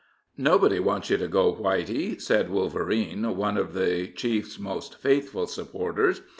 "Nobody wants you to go, Whitey," said Wolverine, one of the chief's most faithful supporters.